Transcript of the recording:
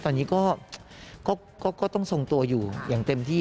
ตอนนี้ก็ต้องทรงตัวอยู่อย่างเต็มที่